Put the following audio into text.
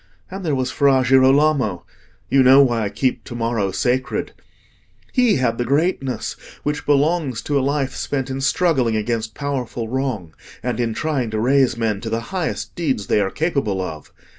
And there was Fra Girolamo—you know why I keep to morrow sacred: he had the greatness which belongs to a life spent in struggling against powerful wrong, and in trying to raise men to the highest deeds they are capable of.